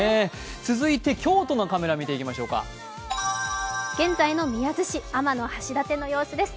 続いて京都のカメラ見ていきましょうか現在の宮津市、天橋立の様子です。